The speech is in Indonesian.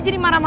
jadi bu kamu